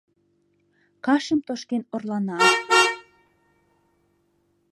Кашым тошкен орлана.